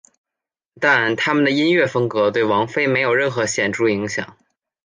但他们的音乐风格对王菲没有任何显着影响。